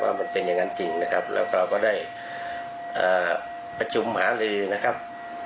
มันเป็นอย่างนั้นจริงนะครับแล้วเราก็ได้ประชุมหาลือนะครับ